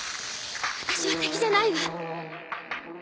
私は敵じゃないわ。